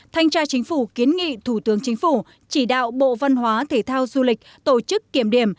thanh tra chính phủ kiến nghị thủ tướng chính phủ chỉ đạo bộ văn hóa thể thao du lịch tổ chức kiểm điểm